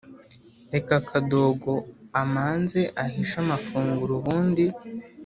reka kadogo amanze ahishe amafunguro ubundi